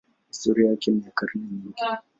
Historia yake ni ya karne nyingi.